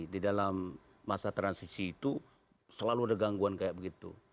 di dalam masa transisi itu selalu ada gangguan kayak begitu